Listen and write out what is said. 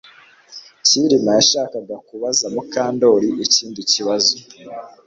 Kirima yashakaga kubaza Mukandoli ikindi kibazo